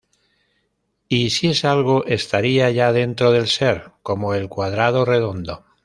Y si es algo estaría ya dentro del Ser, como el cuadrado redondo.